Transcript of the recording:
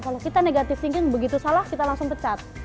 kalau kita negative thinking begitu salah kita langsung pecat